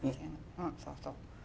うんそうそう。